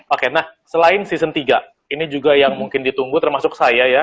oke nah selain season tiga ini juga yang mungkin ditunggu termasuk saya ya